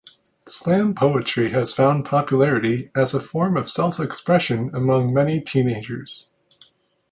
Slam poetry has found popularity as a form of self-expression among many teenagers.